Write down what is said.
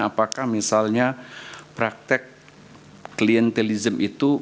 apakah misalnya praktek klientelism itu